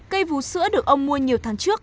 cây vú sữa được ông mua nhiều tháng trước